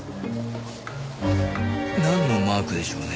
なんのマークでしょうね？